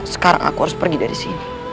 sekarang aku harus pergi dari sini